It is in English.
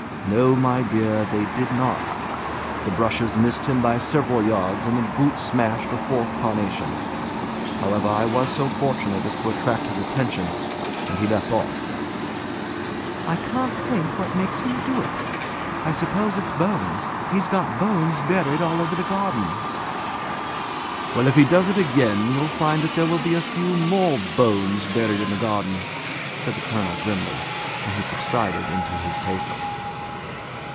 "No, my dear, they did not. The brushes missed him by several yards, and the boot smashed a fourth carnation. However, I was so fortunate as to attract his attention, and he left off." "I can't think what makes him do it. I suppose it's bones. He's got bones buried all over the garden." "Well, if he does it again, you'll find that there will be a few more bones buried in the garden!" said the colonel grimly; and he subsided into his paper.